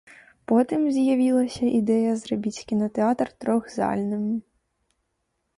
Потым з'явілася ідэя зрабіць кінатэатр трохзальным.